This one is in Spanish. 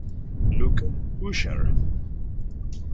Luke Usher.